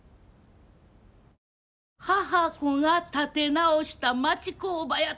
「母娘が立て直した町工場」やて。